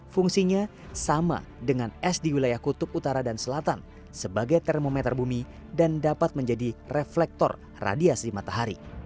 fungsinya sama dengan es di wilayah kutub utara dan selatan sebagai termometer bumi dan dapat menjadi reflektor radiasi matahari